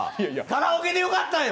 カラオケでよかったんや！